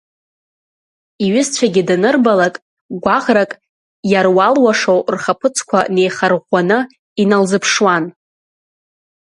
Иҩызцәагьы данырбалак, гәаӷкрак иаруалуашо, рхаԥыцқәа неихарыӷәӷәаны иналзыԥшуан.